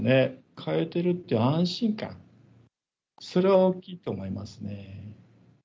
通えているという安心感、それは大きいと思いますね。